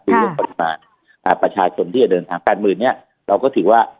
ค่ะค่ะประชาชนที่จะเดินทางแปดหมื่นนี้เราก็ถือว่า